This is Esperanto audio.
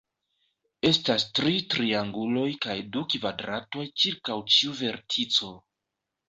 Estas tri trianguloj kaj du kvadratoj ĉirkaŭ ĉiu vertico.